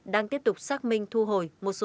đang tiếp tục xác minh thu hồi một số